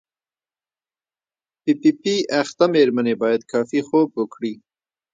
پی پي پي اخته مېرمنې باید کافي خوب وکړي.